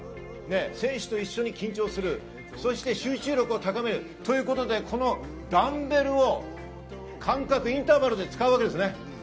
選手と一緒に緊張する、そして集中力を高めるということで、ダンベルを間隔、インターバルで使うわけです。